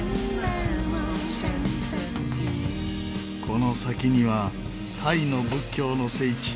この先にはタイの仏教の聖地